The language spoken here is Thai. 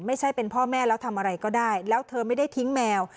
ไม่ใช่เป็นพ่อแม่แล้วทำอะไรก็ได้แล้วเธอไม่ได้ทิ้งแมว